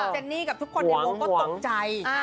เจนนี่กับทุกคนในวงก็ตกใจ